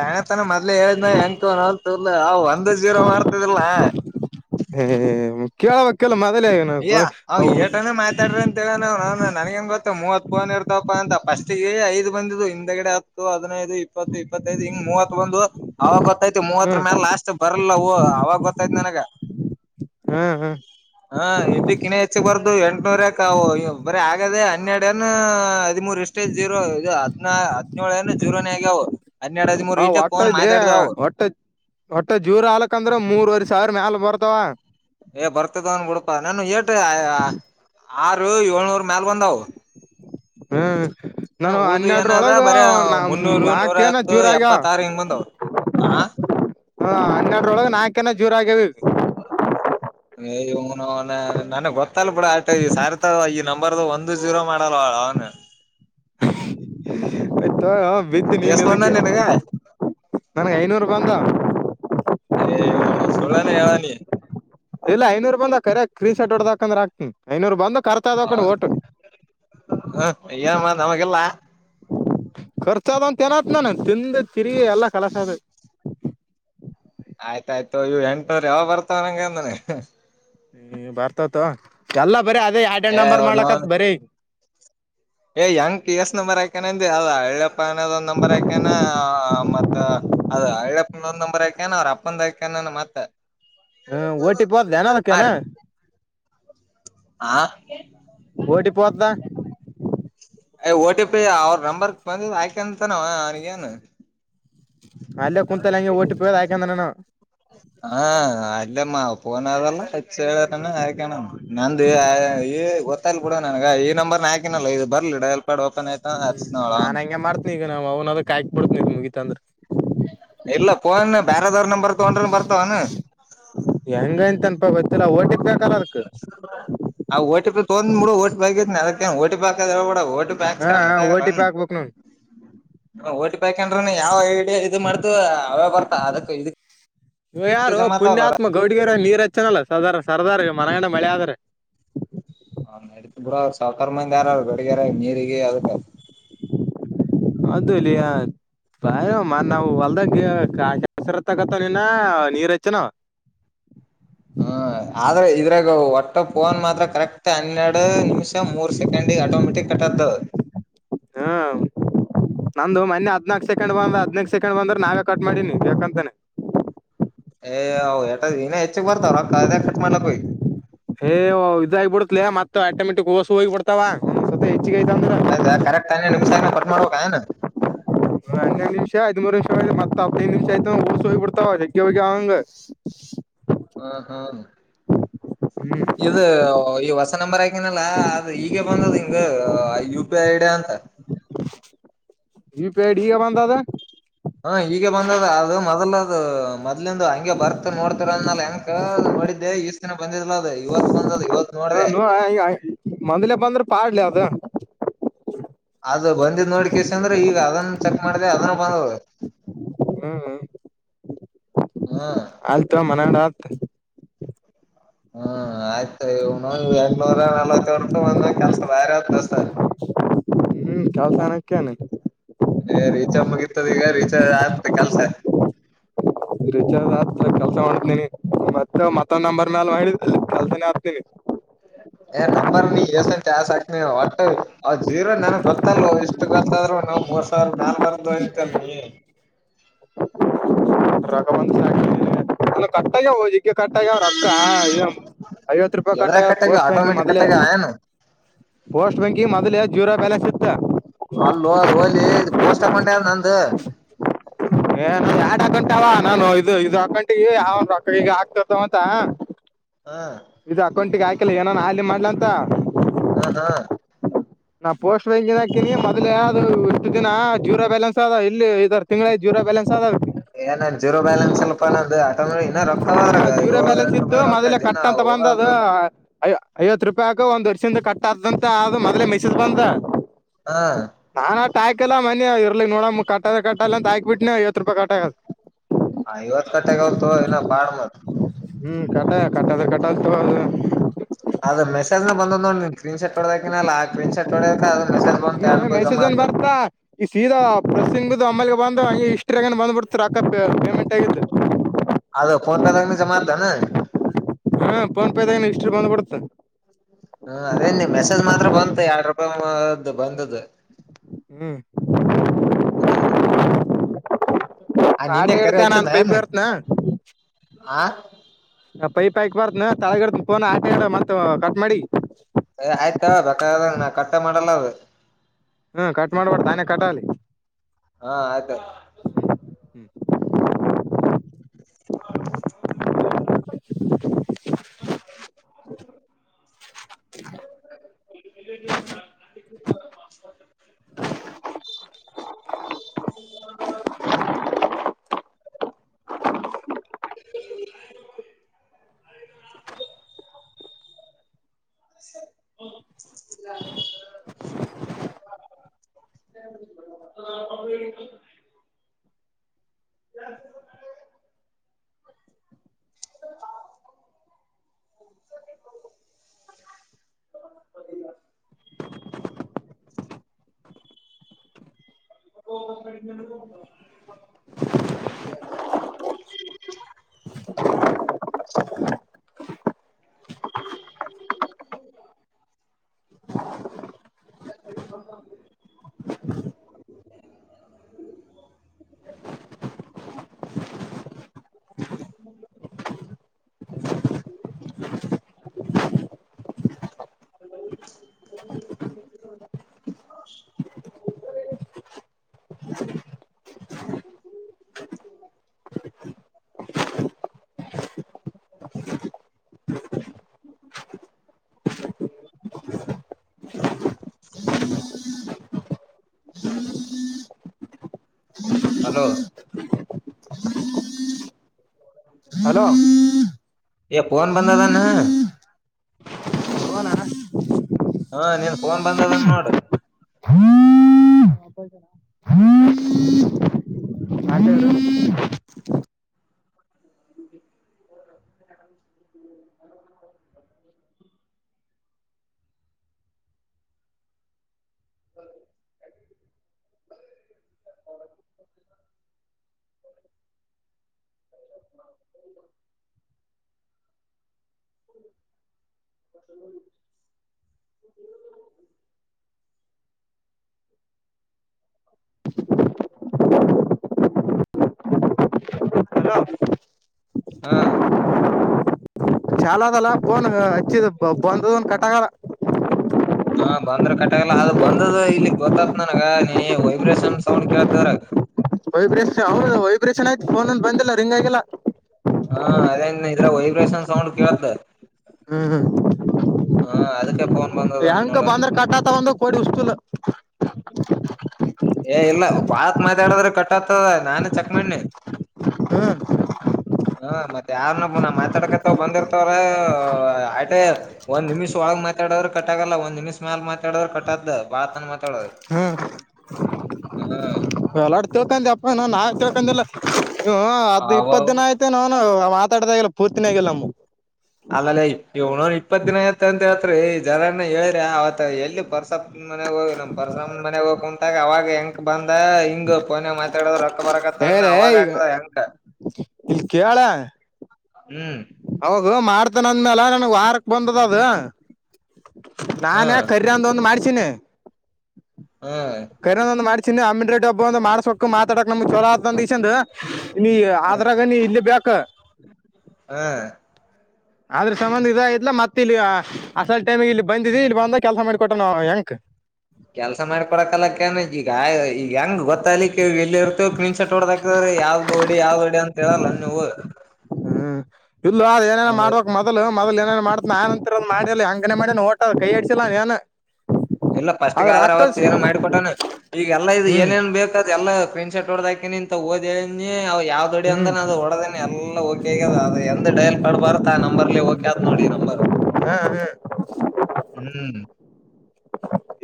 ತಣ ತಾನ ಮದ್ಲಿ ಹೇಳನ ಎಂಕತರ್ಲ ಒಂದ ಜೀರೋ ಮಾಡ್ತಿದಲ್ಲ್ಲ ಹ್ಮ್ ಕೇಳಬೇಕಲ್ಲ ಮ ಅಯ್ಯ ಅವ್ ಏಟಾನ ಮಾತಾಡ್ರಿ ಅಂತ ಹೇಳ [unintelligible] ನನಗ ಹೆಂಗ ಗೊತ್ತು ಮೂವತ್ ಬೋನ್ ಇರ್ತಪ್ಪಾ ಅಂತ ಫಸ್ಟ್ ಐ ಬಂದು ಹಿಂದ್ಗಡೆ ಹತ್ತು ಹದಿನದು ಇಪ್ಪತ್ತು ಇಪ್ಪತ್ತದು ಹ್ ಮೂವ ಒಂದು ಅವಾಗ ಗೊತ್ತೈತಿ ಮೂವತ್ರ ಹ್ಮ್ ಮೇಾಲ ಲಾಸ್ಟ್ ಬರಲ್ಲ ಹ ಅವಾಗ ಗೊತ್ತಾಯ್ತ್ ನನಗ ಹ್ಮ್ ಹ್ಮ್ ಹಾ ಎಲ್ಲಿ ಕಿಣೆ ಹೆಚ್ಚ ಬಾರ್ದು ಎ ರಕವು ಬರೀ ಆಗದ ಹನ್ನೆರಡನ್ ಹದಿಮೂರ್ ಇಷ್ಟೇ ಜೀರೋ ಇ ಹದ ಹದಿನ ಜೀರನಿ ಆಗವು ಹ ಹೊಟ್ಟದಲಿ ಹೊಟ್ಟ ಹೊಟ್ಟೆ ಜೂರ್ ಹಾಲಕ್ ಅಂದ್ರೆ ಮೂರ್ವರೆ ಸಾವಿರ ಮ್ಯಾಲ ಬರ್ತ್ತ ತ್ತ ಏ ಬರ್ತದ ಅನ್ ಬಿಡ್ಪಾ ನಾನು ಏಟ ಆರು ಏಳ್ನೂರು ಮ್ಯಲ್ಬಧವು ಹ್ಮ ಹ್ಮ ಉಳ್ದು ಏನದ ಬರ ಮುನ್ನೂರು ನೂರ ನಾಕೇನ ಹತ್ತು ಜೂರ ಆಗ್ಯಾವ ಎಪ್ಪತ್ತ ಆರ ಹಿಂಗ್ ಬಂದವ್ ಆ ಹಾ ಹನ್ನೆಡ್ರೊಳಗೆ ನಾಲ್ಕನಾ ಝೀರೋ ಆಗ್ಯವ ಈಗ [unintelligible] ಅನ ಇತ್ತ ತೊಗೊಲೊ ಬಿತ್ತ ನೀನ್ ಎಸ್ ಬಂದ ಅದಕ್ಕೆ ನಿನಗ ನನಗೆ ಐನೂರು ಬಂದವ ಸುಳ್ಳೇನೀ ಹೆಳವ ನೀ ಇಲ್ಲ ಐನೂರು ಬಂದ ಕರೆ ಸ್ಕ್ರೀನ್ ಶೋಟ್ ಹೊಡದಾಕಂದ್ರ ಹಾಕ್ತೀನಿ ಐನೂರು ಬಂದ ಕರ್ತಾ ಇದ ಕಡೆ ಓಟು ಹ ಏನಾ ಮತ್ತು ನಮಗಿಲ್ಲ ಖರ್ಚದ ಅಂತ ಏನತ್ ನಾನ ತಿಂದ ತಿರುಗಿ ಎಲ್ಲಾ ಖಲಾಸ್ ಆಡುವ ಆಯ್ತಾಯ್ತು ತೊಗೊ ಇವ್ ಎಂಟುನೂರು ಯಾವಗ ಬರ್ತವ ನಂಗ ಇನ್ನ ಹ್ಮ ಬರ್ತವ ತೊಗೊ ಎಲ್ಲ ಬರಿೀ ಅದೇ ಎಡ್ ಎಡ್ ಏ ನಂಬರ್ ಮಾಡ್ಲಕತ್ ಅವನೌನ್ ಬರಿೀ ಏ ಹಿಂಗ್ ಎಷ್ಟ ನಂಬರ್ ಹಾಕ್ಯಾನ್ ಅಂದಿ ಅದ ಅಳ್ಳಪ್ಪ ಅನದ್ ನಂಬರ್ ಆಾಕ್ಯಾನ ಮತ್ತ ಅದ ಹಳ್ಳಪ್ಪನ ಒಂದ ನಂಬರ್ ಆಕ್ಯಾನ ಅವ್ರ ಅಪ್ಪಂದ ಆಾಕಾನ ಮತ್ತೆ ಹ್ಮ್ ಓಟಿಪಿ ಹೊತಿದೆನ್ ಅದ್ಕೆಲ್ಲಾ ರೀ ಹಾ ಓಟಿಪಿ ಹೊತಿದಾ ಅಯ ಓ ಟಿ ಪಿ ಅವ್ರ ನಂಬರ್ ಬಂದ ಆಾಕಂತಾನ ಅವನಗೇನ್ ಅಲ್ಲೇ ಕುಂತಲ್ಲ ಹಂಗೆ ಓ ಟಿ ಪಿ ಹೋದ ಹಾಕಂದ್ರ ನಾನು ಹಾ ಅದೇ ಮಾ ಪೋನದಲ್ಲ ಹಚ್ಚೇಳರಾ ಹೇಕೊಂಡನ್ ನಂದು ಈ ಗೊತ್ತಾಲ್ ಬಿಡೋ ನನಗ ಈ ನಂಬರ್ ಹಾಕಿನಲ್ಲ ಇದು ಬರ್ಲಿಡ ಹ್ಮ್ ನಾನ್ ಹಂಗೆ ಮಾಡ್ತನಿ ಈಗ ನಾ ಅವನ ಅದಕ ಹಾಕಿ ಬಿಡ್ತನಿಗ ಮುಗಿತ ಅಂದ್ರೆ ಇಲ್ಲ ಫೋನ್ ಬೇರಾದವ್ರ ನಂಬರ್ ತಗೊಂಡ್ರನ್ ಬರ್ತಾವನ್ ಹೆಂಗಂತನ್ಪಾ ಗೊತ್ತಿಲ್ಲ ಓ ಟಿ ಪಿ ಹಾಕಲ್ಲ ಅದಕ್ ಆ ಒಟಿಪಿ ತೊಗೊಂಡ ಮೂಡೋ ಒಟಿಪಿ ಅಗೇಟ್ ಅದಕ್ಕ ಒಟಿಪಿ ಹಾಕೋಡ್ ಹೇಳಬೇಡ ಒಟಿಪಿ ಹಾ ಹಾ ಪಾಕ್ಂತ ಓ ಆಗ ಟಿ ಪಿ ಹಾಕ್ಬೇಕ್ ನೋಡ್ ಒಟಿಪಿ ಹಾಕೊಂಡ್ರಿನು ಯಾವ ಐಡಿಯಾ ಇದು ಮಾಡ್ತು ಅವೇ ಬರ್ತ ಅದಕ್ಕ ಇದಕ್ ಇವ ಯಾರು ಪುಣ್ಯಾತ್ಮ ಗೌಡಗ ನೀರ್ ಹಚ್ಚನಲ್ಲ ಸದ ಸರ್ದಾರ್ ಮರ ಮಳೆ ಆದ್ರ [unintelligible] ಸಾವಕರ್ ಮಂದಿ ಹರ ಅವ್ರು ಬೆಳಗಾರ ನೀರಿಗ ಅದಕ್ಕ ಹ ಬ ಮನಾ ಅವ ಹೊಲ್ದಗ ಕಸರ ತಗತ್ತ ನೀನ್ನ ನೀರ್ ಹೆಚ್ಚನ [unintelligible] ಹಾ ಆದ್ರೆ ಇದ್ರಾಗ ಒಟ್ಟ ಫೋನ್ ಮಾತ್ರ ಕರೆಕ್ಟ್ ಹನ್ನೆರಡು ನಿಮಿಷ ಮೂರ್ ಸೆಕೆಂಡ ಆಟೋಮೆಟಿಕ್ ಕಟ್ಟಡ ಹಾ ನಂದು ಮೊನೆ ಹದ್ನಾಕಕ್ ಸೆಕೆಂಡ್ ಬಂದ್ರೆ ಹದ್ನಾಕ್ ಸೆಕೆಂಡ್ ಬಂದ್ರೆ ನಾವೇ ಕಟ್ ಮಾಡೀಿನಿ ಬೇಕಂತಾನನೆ ಏ್ ಇನ್ನ ಹೆಚ್ಚಗ್ ಬರ್ತಾವ್ರ ರೋಕ್ ಅದ ಯಾಕ್ ಕಟ್ ಮಾಡ್ಲಕ್ ಹೋಗಿ ಏ ಇದಾಗಿಬಿಡತ್ಲ ಮತ್ತೆ ಆಟೋಮೆಟಿಕ್ ವೋಸು ಹೋಗಿ ಬಿಡ್ತಾವ ಏನ್ ಯಾ ಕರೆಕ್ಟ್ ಹನ್ನೆರಡು ನಿಮಿಷ ಆಗ್ ಕಟ್ ಮಾಡಬೇಕ ಏನ್ ಹನ್ನೆರಡು ನಿಮಿಷ ಹದಿಮೂರು ನಿಮಿಷ ಮತ್ತ ಹದಿನೈದು ನಿಮಷ ಆಯತ ಅಂದ್ರ ಊಸೂ ಹೋಗಿ ಬಿಡ್ತಾವ ಜಗ್ಗೆ ಹೋಗ್ಯವ ಹಾಂಗ್ ಹ್ಮ ಹ್ಮ ಇದು ಈ ಹೊಸ ನಂಬರ ಹನಲ್ಲ ಆದ ಈಗೆ ಬಂದದ್ ಹಿಂಗ ಯು ಪಿ ಐ ಐಡಿಯ ಅಂತ ಯುಪಿಐ ಐಡಿ ಈಗ ಬಂದ ಅದ ಅ ಮೊದ್ಲಿಂದು ಹಂಗೆ ಬರ್ತ್ ನೋಡ್ತರ ಅಂದ ಹೆಂಗ ಕ ನೋಡಿದ್ದೆ ಈಷ್ಟತಿನ ಬಂದಿದ್ಲ ಅದ ಹ ಮೊಂದ್ಲೆ ಬಂದ್ರೆ ಪಾಡ್ ಲೆ ಅದ ಅದು ಬಂದಿದ್ದ್ ನೋಡಿ ಕೇಶಂದ್ರ ಈಗ ಅದನ್ನ ಚೆಕ್ ಮಾಡ್ದ ಅದನ್ನ ಬಂದ ಹ್ಮ್ ಹ್ಮ್ ಆಲ್ ತೊಗೊ ಮನಂಗಡ ಆಲ್ ಹ್ಮ್ ಆಯ್ತು ಇವನು ಬೆಂಗ್ಳೂರ ನಲವತ್ತ ಹೊಡ್ತ ಬಂದ ಕೆಲ್ಸ ಬೇರೆ ಹ ದಸ ಹ್ಮ್ ಚಲ್ ಏ ರರಿಚಾರ್ಜ್ ಮುಗತದ ಈಗ ರರಿಚಾರ್ಜ್ ಆಗ್ತ ಕೆಲ್ಸ ರಿಚಾರ್ಜ್ ಆದ ಕೆಲ್ಸ ಮಾಡನಿ ಮತ್ತೆ ಮತ್ತ ನಂಬರ್ ಮ್ಯಾಲ ಮಾಡಿದ ಕೆಲ್ಸನೇ ಹಗ್ತೀನಿ ಹ ಏ ನಂಬರ್ ನೀ ಎಸಂತಸಕ್ನ ಒಟ್ಟ ಜೀರೋ ನನಗ್ ಗೊತ್ತಲ್ವ ಇಷ್ಟು ಗೊತ್ತ ಇ ನಾ್ ಮೂರ್ ಸಾವಿರ ಮೇಲ್ ಬರ್ೋಯಂತಲ್ ರಘವಂಶ ಅ ಕಟ್ಟಾಗಿ ಕಟ್ಟ್ಯ ಅವ್ರು ಅಕ್ಕ ಐವತ್ತು ರೂಪಾಯಿ ಎದ್ರಾಗ್ ಕಟ್ಟವ ಕಟ್ಟಾಗ್ಯಾವ ಪೋಸ್ಟ್ ಬ್ಯಾಂಕ ಆಟೋಮೆಟಿಕ್ ಮೊದ್ಲೆೇ ಕಟ್ಟಾಗ್ಯಾವ ಏನು ಪೋಸ್ಟ್ ಬ್ಯಾಂಕಿಗೆ ಮೊದಲ ಜೀರೋ ಬ್ಯಾಲೆನ್ಸ್ ಇತ್ತು ಅಲ್ಲು ಅದು ಹಲಿ ಇ ಪೋಸ್ ತಕೊಂಡೆಾರ ನಂದು ಅ ನಾನು ಇದು ಇದು ಅಕ್ಕ ಗಂಟಿಗೆ ಯಾವಂದ ರೊಕ್ಕ ಈಗ ಆಗ್ತದ ಅಂತ ಹ ಇದು ಅಕೌಂಟಿಗೆ ಹಾಕಿಲ್ಲ ಏನಾನ ಹಾಲಿ ಮಾಡ್ಲ ಅಂತ ಹಾ ಹಾ ನಾ ಪೋಸ್ಟ್ ಬ್ಯಾಂಕನ್ ಹಾಕಿನಿ ಮೊದ್ ಯ ಅದು ಇಷ್ಟು ದಿನ ಜೂರೋ ಬ್ಯಾಲೆನ್ಸ್ ಅದ ಇಲ್ಲಿ ಇದ ತಿಂಗಳ ಜೀರ ್ಯಲೆನ್ಸ್ ಆದ ಏನನ್ ಜೀರೋ ಬ್ಯೆನ್ಸ್ ಸ್ವಲ್ಪ ನ ಆಟ ಇನ್ನ ರೊಕ್ಕವರಗ ಏಳು ಎಂ ರೊಕ್ಕ ದಿನ ಅಂದ ಹೋಗದು ಅ ಐವತ್ತು ರೂಪಾಯಿ ಹಾಕ ಒಂದ್ ವರ್ಷ ಕಟ್ಟಂತ ಮೊದ್ಲೇ ಮೆಸಸ್್ ಬಂದ ಹಾ ನಾನ ಇಲ್ಲ ಮಯ ಇರ್ಲಿ ನೋಡ ಕಟ್ಟ ಕಟ್ಟಲ್ಲ ಅಂತ ಹಾಕ್ಬಿಟ್ಟನನೆ ಐವತ್ತು ರೂಪಾಯಿ ಕಟ್ಟ ಆ ಹ ಇವತ್ ಕಟ್ಟೆಗೆ ಒಂತ ಏನ ಬಾಳ ಮತ್ ಹ್ಮ್ ಕಟ್ಟ ಕಟ್ಟ ಕಟ್ಟ ಅದ ಮೆಸೇಜ್ ನ ಬಂದ್ ನೋಡಿ ನಿ ಸ್ಕ್ರೀನ್ ಶಾಟ್ ಹೊಡದಕಿನಲ್ಲ ಆ ಕಕ್ರೀನ್ ಶಾಟ್ ಹೊಡಕ ಅದದು ಮೆಸೇಜ್ ಹ್ಮ್ ಬಂದಂತೇಳ್ಬ ಜಮಾ ಅದ ಸ್ಸಂಗ ಬಿದ್ದು ಆಮೇಲೆಗೆ ಬಂದು ಹಂಗೆ ಇಷ್ಟ್ರ ಆಗ ಬಂದುಬಿಡ್ತಾರೆಾಕಕ್ಕ ಪೇಮೆಂಟ್ ಆಗಿತ್ತು ಅದು ಫೋನ್ ಪೇದಾಗನ ಜಮಾ ಆದ್ದಾನ ಹಾ ಪೋನ್ಪದ ಇಷ್ಟ್ರ ಬಂದ್ಬಡುತ್ತ ಹ್ಮ ಅದೇ ನೀ ಮೆಸೇಜ್ ಮಾತ್ರ ಬಂತು ಎರಡ್ ರೂಪಾಯಿ ಬಂದ್ದ ಹ್ಮ್ ಆ ಆಟ ನಿನ್ನೆ ಕರೆ ಹಡ್ತ ನನ್ು ಹಚ್ಚಿದ್ನ ಪೈಪ ಏನ್ ಇರ್ತ್ನಾ ಆ ಪೈಪ್ ಹಾಕ್ ಬಾರ್ದ ತಳಗಡ ಪೋನ ಆಕೆ ಮತ್ ಕಟ್ ಮಾಡಿ ಆಯ್ತ ನಾ ಕಟ್ಟೆ ಮಾಡಲ್ಲ ಅದು ಹ್ಮ್ ಕಟ್ ಮಾಡ್ಬಾರಡ್ ತಾನೇ ಕಟ್ಟಾಲಿ ಹಾ ಆಯ್ತು ಹ್ಮ್ ಹ [inaudible] [unintelligible] [inaudible] ಹೋಗಡಿ [inaudible] [inaudible] [unintelligible] [inaudible] ಹ್ಮ [inaudible] [inaudible] [inaudible] ಹ್ಮ [inaudible] ಹಲೋ ಹಲೋ ಏ ಫೋನ್ ಬಂದದ ಅನ್ ಫೋನ್ ಹಾ ನೀನ್ ಫೋನ್ ಬಂದನ್ ನೋಡು [inaudible] [inaudible] [inaudible] ಹಲೋ ಹಾ ಚಾಲೂ ಅದಲ ಫೋನ್ ಬಂದದ ಕಟ್ ಆಗಲ್ಲ ಹಾ ಬಂದ್ರೆ ಕಟ್ಟಾಗಲ್ಲ ಅದು ಬಂದ ಇಲ್ಲಿ ಗೊತತ್ ನನಗ ನೀ ವೈಬ್ರೇಷನ್ ಸೌಂಡ್ ಕೇಳ್ತ ಅದ್ರಗ್ ವೈಬ್ರೇಷನ್ ಹೌದ ವೈಬ್ರೇಷನ್ ಆಯ್ತು ಫೋಂದು ಬಂದಿಲ್ಲ ರಿಂಗ್ ಆಗಿಲ್ಲ ವಿಬ್ರೇಶನ್ ಸೌಂಡ್ ಕೇಳ್ತು ನೋಡ [unintelligible] ಬಾಂದ್ರ ಕಟ್ಟಾತ ಬಂದು ಕೋಡಿ ವಸ್ತೂಲ ಏ ಇಲ್ಲ ಭಾತ್ ಮಾತಾಡದ್ರೆ ಕಟ್ಟ ಆತದ ನಾನೇ ಚೆಕ್ ಮಾಡನಿ ಹಾ ಮತ್ತೆ ಯಾರ್ನ ಪುನಃ ಮಾತ್ ಡಕತ್ತ ಬಂದಿರ್ತವ್ರ ಆಟ್ ಒಂದ್ ನಿಮಿಷ್ ಒಳಗೆ ಮಾತಾಡ್ದ್ರೆ ಕಟ್ ಆಗಲ್ಲ ಒಂದ್ ನಿಮಿಷ್ ಮ್ಯಾಲ ಮಾತಾಡ್ದ್ರೆ ಕಟ್ಟ ಅದ್ದ [unintelligible] [unintelligible] ಹ್ಮ ಯಲ್ಲತಿಳ್ಕೊಂಡಿ ಯಪ್ಪಾ ನಾನ್ ತಿಳ್ಕೊಂಡಿಲ್ಲ ಹ ಅದ್ ಇಪ್ಪತ್ ಅವ ದಿನ ಆಯ್ತೆ ಏನೊ ಮಾತಾಡದಾಗಿಲ್ಲ ಪೂರ್ತಿನ ಆಗಿಲ್ಲ ನಮ್ ತ್ರಿ ಈ ಜರನ್ನ ಹೇಳ್ರಿ ಅವತ್ ಎಲ್ಲಿ ಪರ್ಸಪ್ ಮನೆ ಹೋಗಿ ನಮ್ ಪರ್ಸಮ ಮನೆಗೆ ಹೋಗ ಕುಂತಾಗ ಅವಾಗ ಹೆಂಗ ಬಂದ ಹಿಂಗ ಫೋನ್ ಮಾತಾಡೋದ ರಕ್ಕ ಬರಕ್ ಆತನ ಏರ ಅವಾಗ ಈಗ ಆತದ ಹೆಂಕ ಹ್ಮ್ ಅವೋಗ ಮಾಡ್ತಾನ ಅಂದ್ಮ್ಯಲ ನನ್ಗ್ ವಾರಕ್ ಬಂದದ ಅದು ಹಾ ನಾನ್ ಕರಿಯದೊಂದು ಮಾಡ್ಸಿನಿ ಹಾ ಕರಿಂದೊಂದ್ ಮಾಡ್ಸಿನಿ ಅಮ್ಮಿ ರೆಡ್ಡಿ ಒಬ್ಬ ಒಂದ ಮಾಡ್ಸ್ಬೇಕಕ್ ಮಾತಾಡಕ್ ನಮ್ ಚಲ ಆತ [unintelligible] ಇಲ್ಲಿ ಆದ್ರಾಗ ನೀ ಇಲ್ಲಿ ಬೇಕ್ ಹಾ ಆದ್ರೆ ಸಂಬಂಧ ಇದ ಇತ್ಲ ಮತ್ ಇಲ್ಲಿ ಅಸಲ್ ಟೈಮ ಇಲ್ಲಿ ಬಂದಿದ ಇಲ್ಲಿ ಬಂದ ಕೆಲ್ಸ ಮಾಡಿಕೊಟ್ಟನ ಅವ ಹೆಂಗ [inaudible] ಕೆಲ್ಸ ಮಾಡ್ಕೊಡಕಲ್ಲಕ್ಕನ್ ಈಗ ಈಗ ಹೆಂಗ ಗೊತ್ತ್ಲಿಕ್ಕೆ ಎಲ್ಲಿ ಇರ್ತವ ಕ್ರೀನ್ ಶಾಟ್ ಹೊಡದಾಕ್ತ್ರ ಯಾವ್ದು ಹೊಡಿ ಯಾವ್ದ ಹೊಡಿ ಅಂತ ಹೇಳಲ್ಲ ನೀವು ಹ್ಮ್ ಇಲ್ಲ ಅಲ್ ಏನೇನ ಮಾಡಬೇಕ್ ಮೊದಲು ಮೊದಲ್ ಏನೇನ ಮಾಡತ ನನ್ಂತರ ಮನಲಿ ಹಂಗನೆ ಮಾಡ್ ಹ ಕೈಯಡಿಸಿಲ್ಲಾ ಏನು ಇಲ್ಲ ಫಸ್ಟ್ಗ ಆದ್ರ ಅವತ್ ಏನು ಮಾಡಿಕ ಕೊಟಾನ ಈಗ ಎಲ್ಲಾ ಇದು ಹ್ಮ್ ಏನೇನ್ ಬೇಕಾದ ಎಲ್ಲಾ ಪ್ರಿನ್ ಶರ್ಟ್ ಹೊಡದಾಕಿನಿ ಅಂತ ಓದೆ ನೀ ಯಾವ್ ದದುಡಿ ಹ್ಮ್ ಅಂದಾನ ಅದು ಹೊಡದೇನೆ ಎಲ್ಲ ಓಕೆ ಆಗದ ಅದ ಎಂದ ಡಯಲ್ ಪಡ್ಬಾರು ಆ ನಂಬರ್ಲ್ಲಿ ಓಕೆ ಆತ ನೋಡಿ ಬರ ಹಾ ಹಾ ಹ್ಮ್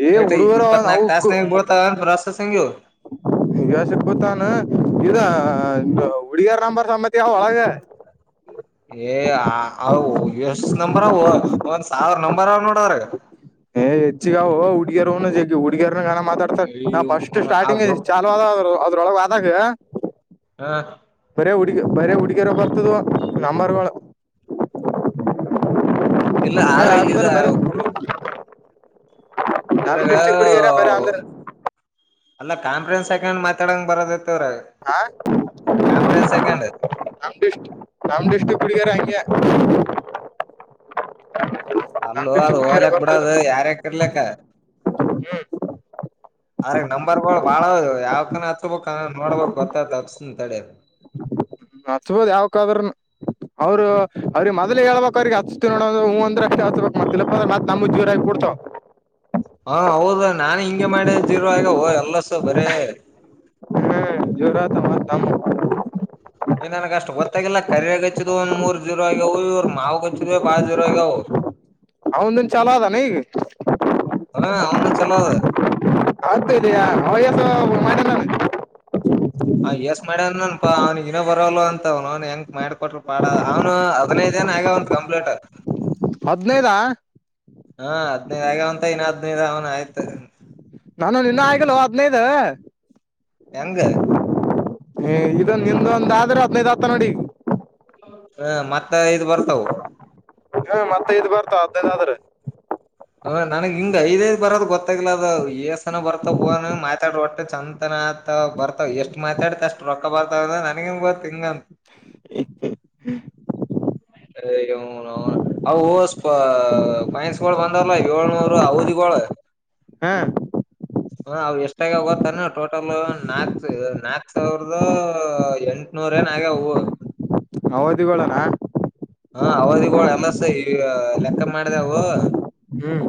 ಏ ಏಟ್ ಹುಡುಗರ ಇಪ್ಪತ್ ನಾಕ್ ಅವಕ್ ಟಾಸ್ಕ್ ಬಡ್ತಾವಂತ ಪ್ರೋಸೆಸ್ಸಿಂಗು ಸಿಗ್ಬತ್ ಅನು ಇದ ಹುಡುಗಿಯರ ರಂಬರ್ ಸಮ್ಮತಿ ಒಳಗ [inaudible] ಏ ಅ ಎಷ್ಟ ನಂಬರ್ ಒಂದ್ ಸಾವಿರ ನಂಬರ್ ಅವ ನೋಡ್ ಅವರ್ಗ ಹ ಎಚ್ಚಗಾವು ಹುಡ್ಗಿಯರು ಹನು ಹುಡ್ಗಿಯರ್ ನ ಮಾತಾಡ್ತಾರೆ ನಾ ಅಯ್ಯೋ ಫಸ್ಟ್ ಆ ಸ್ಟಾರ್ಟಿಂಗ್ ಗ್ರೂಪ್ ಚಾಲೂ ಆದ ಅದ್ರೊಳಗೆ ಆದಾಗೆ ಹಾ ಹುಡುಗಿ ಬರಿ ಹುಡುಗಿಯರ ಬರ್ತದ್ವು ನಂಬರ್ಗಳು ಇಲ್ಲ ಆದ್ರ ಇದ [unintelligible] ನಮ್ ಇವ್ರಾಗ ಡಿಸ್ಟಿಕ್ ಹುಡುಗಿಯರ ಬರೀ ಅಂದ್ರ ಅಲ್ಲ ಕಾನ್ಫರೆನ್ಸ್ ಹಾಕ್ ಮಾತಾಡಂಗ ಬರದತ್ ಹಾ [inaudible] ಹಾಕೊಂಡ್ ನಮ್ದು ಇಷ್ಟು [inaudible] ನಮ್ದು ಇಷ್ಟು [unintelligible] ಅಲ್ಲೋ ಅದು ಓಲೆ ಬಿಡದು ಯಾರ್ಯಕ ಇರ್ಲಿಕ್ಕ ಅವ್ರ್ಗೆ ನಂಬರ್ ಬಾಳ ಆದವು ಯಾಕನ ಹಚ್ಚೋಬೇಕು ನೋಡ್ಬೇಕು ಹಚ್ಚೇತೀನಿ ತಡಿ ಹಚ್ಚಬೋದು ಯಾವಕಾದ್ರನು ಅವ್ರು ಅವ್ರಿಗೆ ಮೊದ್ಲಿಗೆ ಹೇಳ್ಬೇಕು ಹಚ್ಸ್ತ ನೋಡ ಹೂ ಅಂದ್ರೆ ಹಚ್ಬೇಕ್ ಮತ್ತ್ ಇಲ್ಲಪ್ಪ ಮತ್ತ್ ನಮ್ಮ್ ಜೋರಾಗಿಬಡ್ತಾವ [inaudible] ಹಾ ಹೌದ ನಾನ್ ಹಿಂಗೆ ಮಾಡಿದ್ದಿರುವ [unintelligible] ಬರೀ ಹ್ಮ್ [unintelligible] ಏನ್ನಗ ಅಷ್ಟು ಗೊತ್ತಾಗಿಲ್ಲ ಕರಿಯಗಚ್ಚಿದ್ ಒಂದ್ ಮೂರ್ ಜೀರೋ ಆಗ ಇವ್ ಮಾವುಗಚ್ಚಿದ್ [unintelligible] ಅವಂದನ್ ಚಲೋ ಅದಾನ ಈಗ ಹಾ ಅವ್ನು ಚಲೋ ಅದ [unintelligible] ಹಾ ಯಸ್ ಮಾಡ್ಯ ನನ್ಪಾ ಅವ್ನಗನ ಬರಲ್ಲ ಅಂತವ್ನು [unintelligible] ಮಾಡ್ಕೊಟ್ರರು ಬಾಡ ಅವ್ನು ಹಾಗವ ಒಂದು ಕಂಪ್ಲೀಟ್ ಹದ್ನೈದ ಹದಿನೈದು ಆಗ್ಯವಂತೆ ಇನ್ನ ಹದಿನೈದು ಅಗನ ಆಯ್ತು ನಾನು ನಿನ್ನ ಆಗಲ್ ಹದ್ನೈದ ಹೆಂಗ ಹ್ಮ್ ನಿಮ್ದೊಂದ ಆದ್ರೆ ಹದ್ನೈದ್ ಹತ್ತ ನೋಡಿ ಈಗ ಹಾ ಮತ್ತ ಐದು ಬರ್ತಾವ ಹ್ಮ್ ಮತ್ತೆ ಐದು ಬರ್ತಾವ ಹದಿನೈದ್ ಅದ್ರೆ ಹಾ ನನಗೆ ಹಿಂಗ್ ಐದ ಐದ ಬರೋದ ಗೊತ್ತಾಗಲ ಅದ ಏಸ್ಸನ ಬರ್ತಾವ ಮಾತಾಡ ಒಟ್ಟ ಚಂತನ ಬರ್ತಾವ ಎಷ್ಟ್ ಮಾತಾಡತ ಅಷ್ಟ ರೊಕ್ಕ ಬರ್ತಾವ ನನಗೇ ಏನ್ ಗೊತ್ತು ಹಿಂಗಂತ [unintelligible] [inaudible] [unintelligible] ಪೈನ್ಸ್ಗಳು ಬಂದಾರಲ್ಲ ಏಳ್ನೂರು ಅವದಿಳ ಹಾ ಹಾ ಅವ್ ಎಷ್ಟಾಗವೇ ಗೊತ್ತೇನ ಟೋಟಲ್ ನಾಕ್ ನಾಕ ಸಾವಿರದ ಎಂಟನೂರ [unintelligible] ಅವದಿಗೋಳಣ ಹಾ ಅವದಿಗಳು ಎಲ್ಲ ಲೆಕ್ಕ ಮಾಡಿದೆವು ಹ್ಮ್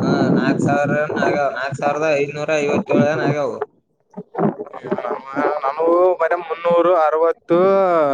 ಹಾ ನಾಕ್ ಸಾವಿರನ ಆಗಾವ ನಾಕ್ ಸಾವಿರದ ಐನೂರ ಐವತ್ತ ಏಳನ್ ಆಗಾವ ನಮಗೂ ಬರಿ ಮುನ್ನೂರು ಅರವತ್ತು [inaudible]